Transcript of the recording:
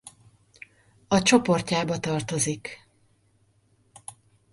A csoportjába tartozik.